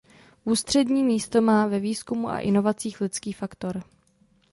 Ústřední místo má ve výzkumu a inovacích lidský faktor.